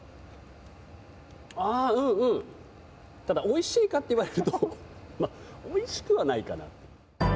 ただ、おいしいかといわれるとおいしくはないかな。